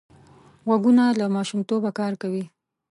غوږونه له ماشومتوبه کار کوي